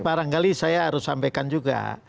barangkali saya harus sampaikan juga